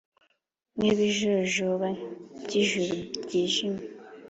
Nk'ibijojoba by'ijuru ryijimye.